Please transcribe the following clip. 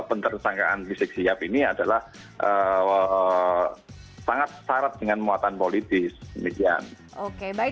penterdeksaan risikosidab ini sangat syarat dengan muatan politik